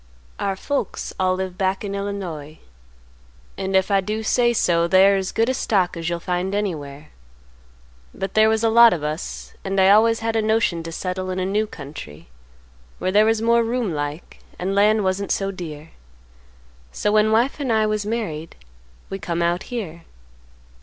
"Our folks all live back in Illinois. And if I do say so, they are as good stock as you'll find anywhere. But there was a lot of us, and I always had a notion to settle in a new country where there was more room like and land wasn't so dear; so when wife and I was married we come out here.